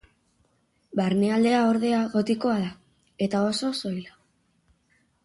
Barnealdea ordea gotikoa da, eta oso soila.